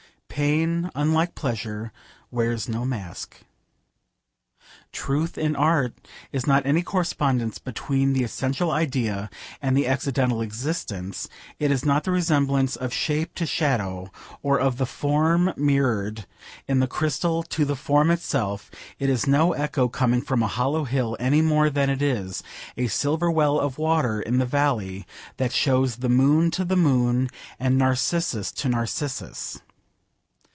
Pain, unlike pleasure, wears no mask. Truth in art is not any correspondence between the essential idea and the accidental existence; it is not the resemblance of shape to shadow, or of the form mirrored in the crystal to the form itself; it is no echo coming from a hollow hill, any more than it is a silver well of water in the valley that shows the moon to the moon and Narcissus to Narcissus.